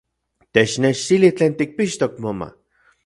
¡Technechtili tlen tikpixtok moma!